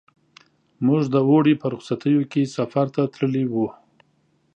موږ د اوړي په رخصتیو کې سفر ته تللي وو.